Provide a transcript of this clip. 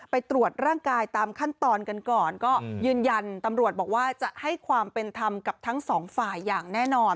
ไปตรวจร่างกายตามขั้นตอนกันก่อนก็ยืนยันตำรวจบอกว่าจะให้ความเป็นธรรมกับทั้งสองฝ่ายอย่างแน่นอน